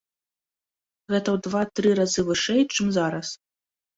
Гэта ў два-тры разы вышэй, чым зараз.